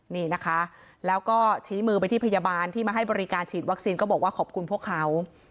นี่นะคะแล้วก็ชี้มือไปที่พยาบาลที่มาให้บริการฉีดวัคซีนก็บอกว่าขอบคุณพวกเขา